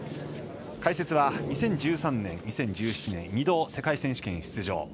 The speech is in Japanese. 解説は２０１３年、２０１７年２度、世界選手権出場。